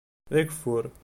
D ageffur.